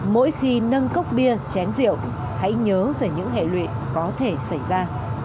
mỗi khi nâng cốc bia chén rượu hãy nhớ về những hệ lụy có thể xảy ra